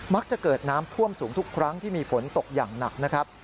จะเกิดน้ำท่วมสูงทุกครั้งที่มีฝนตกอย่างหนักนะครับ